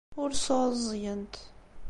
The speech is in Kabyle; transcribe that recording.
Ur sɛuẓẓgent.